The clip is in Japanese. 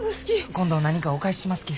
今度何かお返ししますき。